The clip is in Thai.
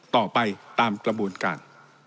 ต่อไปตามกระบวนการ